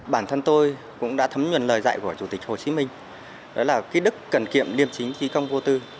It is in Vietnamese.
bản thân tôi cũng đã thấm nhuần lời dạy của chủ tịch hồ chí minh đó là kỹ đức cần kiệm liêm chính trí công vô tư